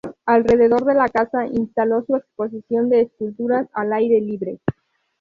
Alrededor de la casa instaló su exposición de esculturas al aire libre.